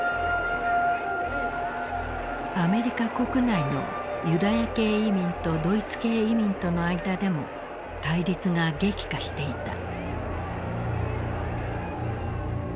アメリカ国内のユダヤ系移民とドイツ系移民との間でも対立が激化していた。